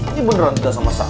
ini beneran tidak sama sama